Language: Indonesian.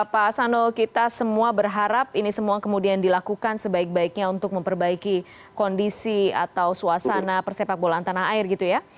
pak asanul kita semua berharap ini semua kemudian dilakukan sebaik baiknya untuk memperbaiki kondisi atau suasana persepak bolaan tanah air gitu ya